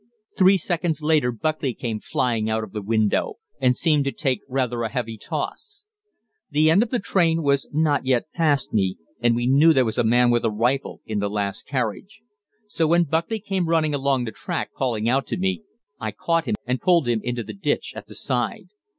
Three seconds later Buckley came flying out of the window, and seemed to take rather a heavy toss. The end of the train was not yet past me, and we knew there was a man with a rifle in the last carriage; so when Buckley came running along the track calling out to me, I caught him and pulled him into the ditch at the side.